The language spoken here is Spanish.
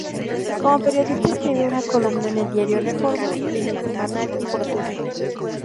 Como periodista, escribe una columna en el diario "Reforma" y en el "Semanario Proceso".